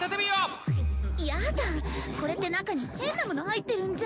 やだぁこれって中に変なもの入ってるんじゃ。